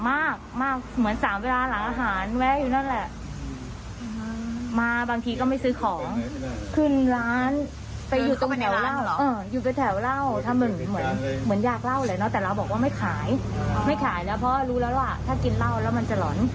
ไม่ขายนะเพราะรู้แล้วว่าถ้ากินเล่าแล้วมันจะหล่อน